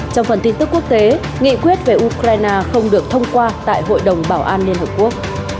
trong phần tin tức quốc tế nghị quyết về ukraine không được thông qua tại hội đồng bảo an liên hợp quốc